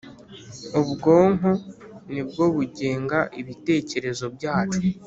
Ubwonko ni bwo bugenga ibitekerezo byacu.